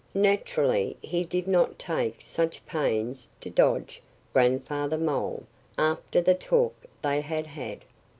Naturally he did not take such pains to dodge Grandfather Mole after the talk they had had.